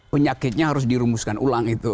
penyakitnya harus dirumuskan ulang itu